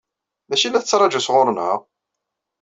D acu i la tettṛaǧu sɣur-neɣ?